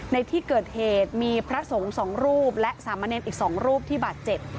ในที่เกิดเหตุมีพระสงฆ์สองรูปและสามเณรอีก๒รูปที่บาดเจ็บ